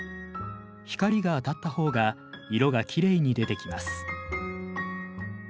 光が当たった方が色がきれいに出てきます。